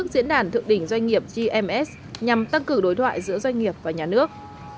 đỉnh doanh nghiệp gms nhằm tăng cử đối thoại giữa doanh nghiệp và nhà nước